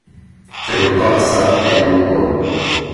Frequentò la St. Edmund Hall.